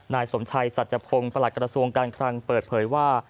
นายสมชัยสัจพงศ์ประหลัดกระทรวงการคลังเปิดเผยว่า